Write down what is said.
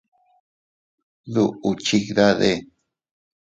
¿Duʼu chidade?